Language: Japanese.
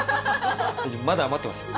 まだ余ってますよ。